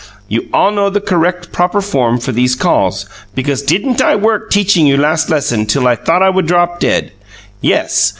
You all know the correct, proper form for these calls, because didn't I work teaching you last lesson till I thought I would drop dead? Yes!